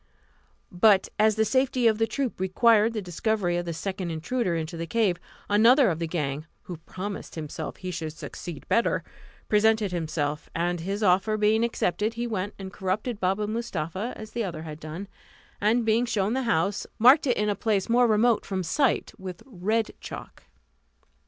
But as the safety of the troop required the discovery of the second intruder into the cave, another of the gang, who promised himself that he should succeed better, presented himself, and his offer being accepted, he went and corrupted Baba Mustapha, as the other had done; and being shown the house, marked it in a place more remote from sight, with red chalk.